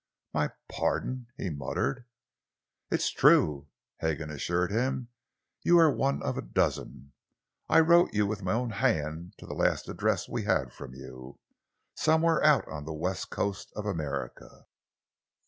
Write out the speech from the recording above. "My pardon!" he muttered. "It's true," Hagan assured him. "You were one of a dozen. I wrote you with my own hand to the last address we had from you, somewhere out on the west coast of America.